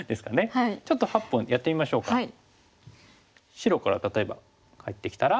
白から例えば入ってきたら？